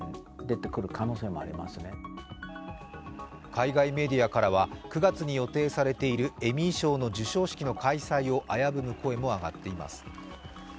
海外メディアからは９月に予定されているエミー賞の授賞式の開催を危ぶむ声も上がっています。